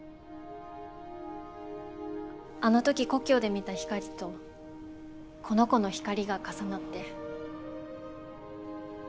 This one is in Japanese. あの時故郷で見た光とこの子の光が重なって。